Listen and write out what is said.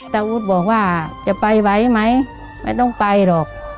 ตาวุฒิบอกว่าจะไปไว้ไหมไม่ต้องไปหรอก